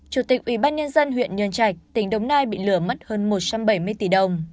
chủ tịch ủy ban nhân dân huyện nhân trạch tỉnh đồng nai bị lửa mất hơn một trăm bảy mươi tỷ đồng